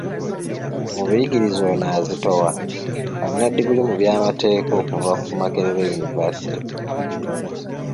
Mu buyigirize ono azitowa, alina ddiguli mu by’amateeka okuva ku Makerere University.